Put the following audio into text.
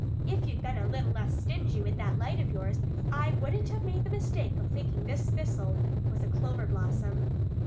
"If you'd been a little less stingy with that light of yours I wouldn't have made the mistake of thinking this thistle was a clover blossom."